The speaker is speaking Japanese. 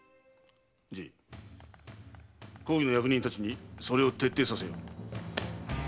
じい公儀の役人たちにそれを徹底させよ。